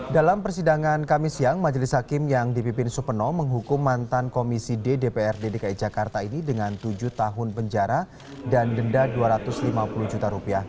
dalam persidangan kamis siang majelis hakim yang dipimpin supeno menghukum mantan komisi ddpr dki jakarta ini dengan tujuh tahun penjara dan denda rp dua ratus lima puluh juta